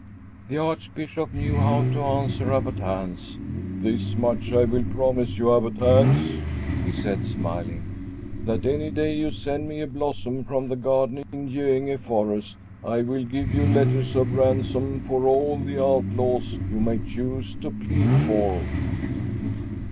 The Archbishop knew how to answer Abbot Hans. "This much I will promise you, Abbot Hans," he said, smiling, "that any day you send me a blossom from the garden in Göinge forest, I will give you letters of ransom for all the outlaws you may choose to plead for."